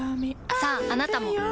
さああなたも。